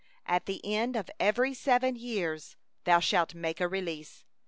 At the end of every seven years thou shalt make a release.